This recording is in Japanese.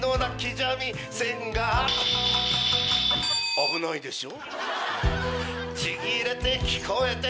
危ないでしょ。